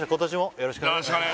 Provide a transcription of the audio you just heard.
よろしくお願いします